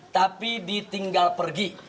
tapi ditinggal pergi